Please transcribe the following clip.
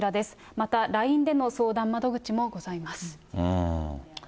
また、ＬＩＮＥでの相談窓口もございます。